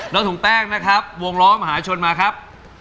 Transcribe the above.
น้องถุงแต้งนะครับวงร้องมหาชนมาครับ